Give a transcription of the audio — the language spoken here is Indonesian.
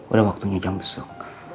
udah waktunya jam besok